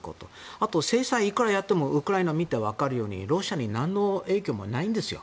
あと、制裁いくらやってもウクライナを見たら分かるようにロシアに何の影響もないんですよ。